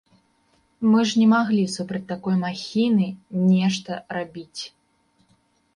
Мы ж не маглі супраць такой махіны нешта рабіць.